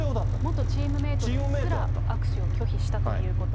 元チームメートですら握手を拒否したということ。